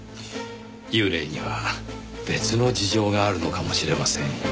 幽霊には別の事情があるのかもしれませんよ。